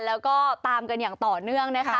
แล้วก็ตามกันอย่างต่อเนื่องนะคะ